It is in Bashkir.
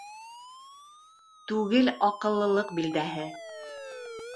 Түгел аҡыллылыҡ билдәһе.